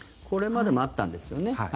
これまでもあったんですよね。